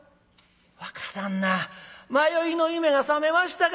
「若旦那迷いの夢が覚めましたか。